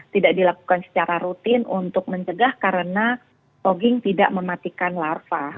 tidak dilakukan secara rutin untuk mencegah karena togging tidak mematikan larva